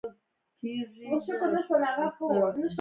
دا پراختیا لوی تولید ته اړتیا لري.